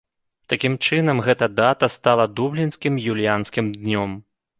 Такім чынам гэта дата стала дублінскім юліянскім днём.